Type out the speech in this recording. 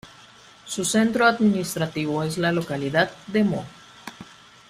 Su centro administrativo es la localidad de Mo.